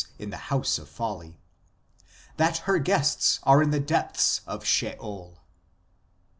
in the house of folly), that her guests are in the depths of Sheol."